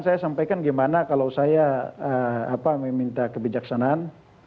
saya sampaikan gimana kalau saya meminta kebijaksanaan